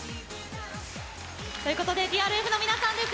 ということでＴＲＦの皆さんです。